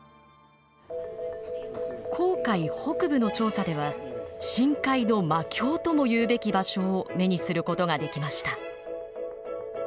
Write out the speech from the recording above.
紅海北部の調査では深海の魔境ともいうべき場所を目にすることができました。